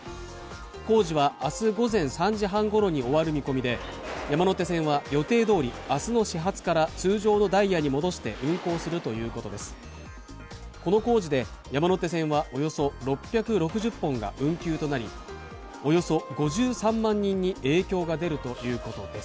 工事は明日午前３時半ごろに終わる見込みで、山手線は予定どおり明日の始発から通常のダイヤに戻して運行するということです。